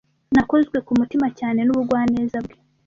Nakozwe ku mutima cyane n'ubugwaneza bwe.